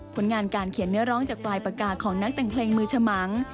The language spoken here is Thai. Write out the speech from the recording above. ผลงานการเขียนเนื้อร้องจากปลายปากกาของนักแต่งเพลงมือฉมัง